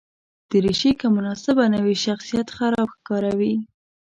دریشي که مناسبه نه وي، شخصیت خراب ښکاروي.